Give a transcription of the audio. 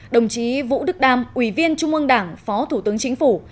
đồng chí vũ đức đam ủy viên trung ương đảng phó thủ tướng chính phủ